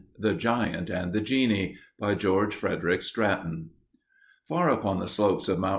THE GIANT AND THE GENIE BY GEORGE FREDERIC STRATTON Far up on the slopes of Mt.